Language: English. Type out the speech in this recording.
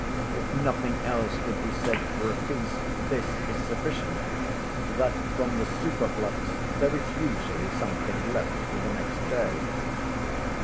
If nothing else could be said for a feast, this is sufficient, that from the superflux there is usually something left for the next day.